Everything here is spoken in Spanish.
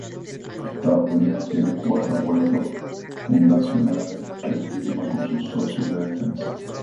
Estados Unidos tiene cuatro acuerdos "fundacionales" que firma con sus socios de defensa.